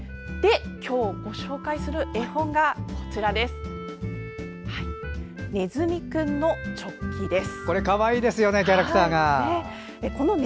今日ご紹介する絵本が「ねずみくんのチョッキ」です。